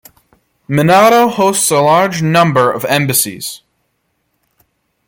Minato hosts a large number of embassies.